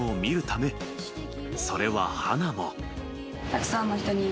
［それは華も］